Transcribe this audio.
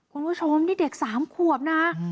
คุณผู้ชมนี่เด็ก๓ขวบนะ